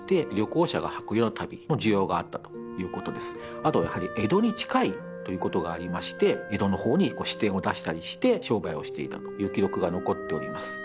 あとやはり江戸に近いということがありまして江戸の方に支店を出したりして商売をしていたという記録が残っております